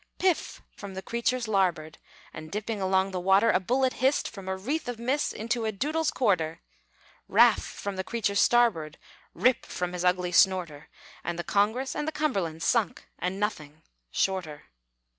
Piff, from the creature's larboard And dipping along the water A bullet hissed From a wreath of mist Into a Doodle's quarter! Raff, from the creature's starboard Rip, from his ugly snorter, And the Congress and The Cumberland Sunk, and nothing shorter.